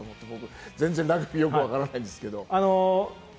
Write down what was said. って、僕、全然ラグビーよくわからないんですけれども。